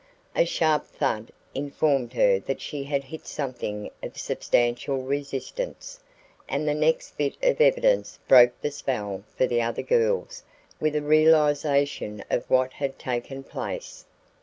A sharp thud informed her that she had hit something of substantial resistance, and the next bit of evidence broke the spell for the other girls with a realization of what had taken place.